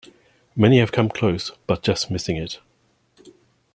Many have come close, but just missing it.